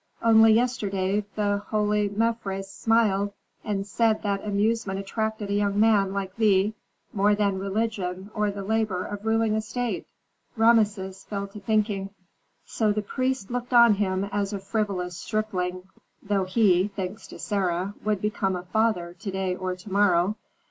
Only yesterday the holy Mefres smiled, and said that amusement attracted a young man like thee more than religion or the labor of ruling a state." Rameses fell to thinking, "So the priests looked on him as a frivolous stripling, though he, thanks to Sarah, would become a father to day or to morrow.